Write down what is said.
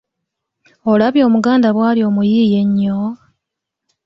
Olabye Omuganda bw'ali omuyiiya ennyo?